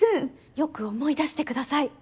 よく思い出してください。